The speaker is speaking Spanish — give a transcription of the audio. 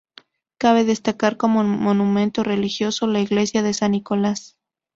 Cabe destacar como monumento religioso, la iglesia de San Nicolás.